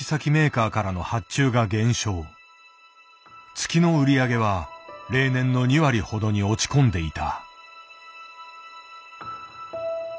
月の売り上げは例年の２割ほどに落ち込んでいた。